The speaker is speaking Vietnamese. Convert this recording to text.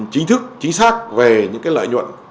chính thức chính xác về những lợi nhuận